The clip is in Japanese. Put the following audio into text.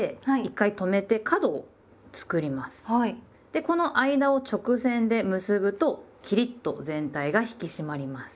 でこの間を直線で結ぶとキリッと全体が引き締まります。